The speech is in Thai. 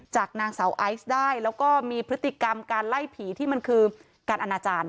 จากนางสาวไอซ์ได้แล้วก็มีพฤติกรรมการไล่ผีที่มันคือการอนาจารย์